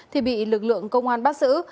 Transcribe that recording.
thì bị lực lượng công an bắt giữ